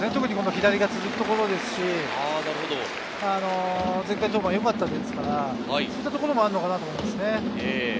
左が続くところですし、前回登板よかったですから、そういったところもあるのかなと思いますね。